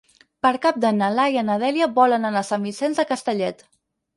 Per Cap d'Any na Laia i na Dèlia volen anar a Sant Vicenç de Castellet.